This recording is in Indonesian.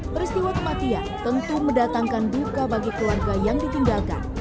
peristiwa kematian tentu mendatangkan duka bagi keluarga yang ditinggalkan